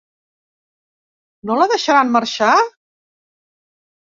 No la deixaran marxar?